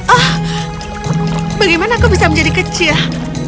ah bagaimana aku bisa menjadi kecil